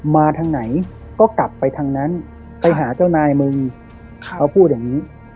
มาทางไหนก็กลับไปทางนั้นไปหาเจ้านายมึงเขาพูดอย่างนี้